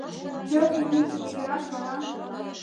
Пӧртын лӱмжӧ кузерак гала?